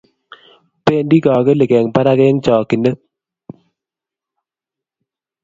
bendi kokelik eng' barak eng; chokchinet